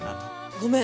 ごめん！